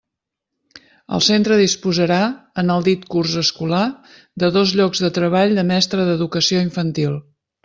El centre disposarà, en el dit curs escolar, de dos llocs de treball de mestre d'Educació Infantil.